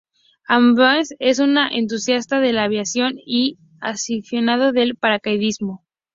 Abbasi es un entusiasta de la aviación y un aficionado al paracaidismo.